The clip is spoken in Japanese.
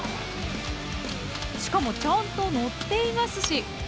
しかもちゃんとのっていますし！